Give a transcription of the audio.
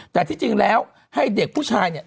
แต่ที่จริงแล้วให้เด็กผู้ชายเนี่ย